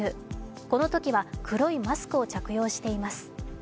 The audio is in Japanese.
このときは黒いマスクを着用しています。